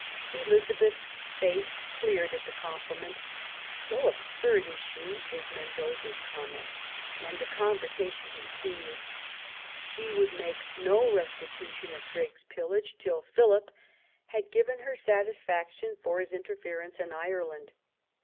Elizabeth's face cleared at the compliment (" so absurd is she," is Mendoza*s com ment), and the conversation continued. ' She would make no restitution of Drake's pillage till Philip had given her satisfaction for his interference in Ireland.